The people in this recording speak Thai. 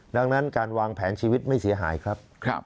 ดังนั้นการวางแผนชีวิตไม่เสียหายครับ